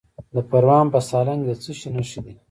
د پروان په سالنګ کې د څه شي نښې دي؟